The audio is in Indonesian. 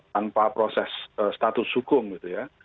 tanpa proses status hukum gitu ya